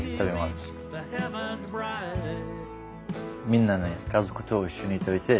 みんなね家族と一緒に食べて。